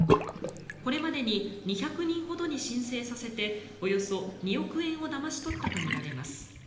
これまでに２００人ほどに申請させておよそ２億円をだまし取ったとみられます。